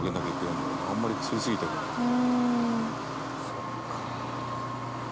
そっか。